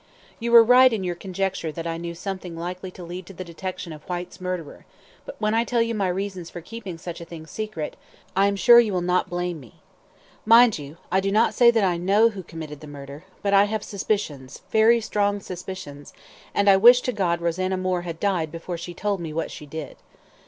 You were right in your conjecture that I knew something likely to lead to the detection of Whyte's murderer; but when I tell you my reasons for keeping such a thing secret, I am sure you will not blame me. Mind you, I do not say that I know who committed the murder; but I have suspicions very strong suspicions and I wish to God Rosanna Moore had died before she told me what she did.